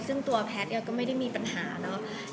ซึ่งตัวแพทย์ก็ไม่ได้มีปัญหาเนอะ